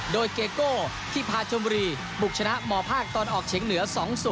โดยเกโก้ที่พาชมบุรีบุกชนะหมอภาคตอนออกเฉียงเหนือ๒๐